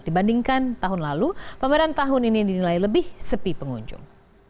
dibandingkan tahun lalu pameran tahun ini dinilai lebih sepi pengunjung